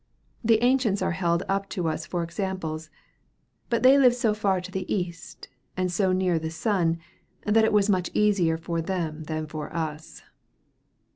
The ancients are held up to us for examples. But they lived so far to the east, and so near the sun, that it was much easier for them than for us.